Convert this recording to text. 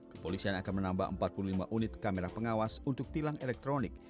kepolisian akan menambah empat puluh lima unit kamera pengawas untuk tilang elektronik